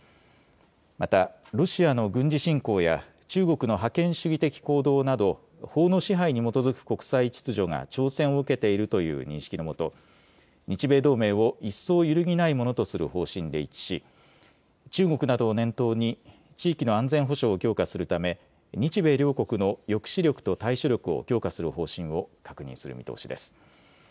またロシアの軍事侵攻や中国の覇権主義的行動など法の支配に基づく国際秩序が挑戦を受けているという認識のもと、日米同盟を一層揺るぎないものとする方針で一致し中国などを念頭に地域の安全保障を強化するため日米両国の抑止力と対処力を強化する方針を確認する見通しです。